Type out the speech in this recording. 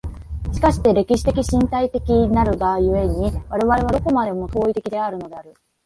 しかして歴史的身体的なるが故に、我々はどこまでも当為的であるのである。